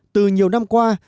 từ nhiều năm qua